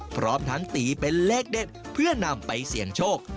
พร้อมทั้งตีเป็นเลขเด็ดเพื่อนำไปเสี่ยงโชค